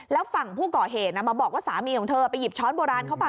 แล้วฝั่งผู้ก่อเหตุมาบอกว่าสามีของเธอไปหยิบช้อนโบราณเข้ามา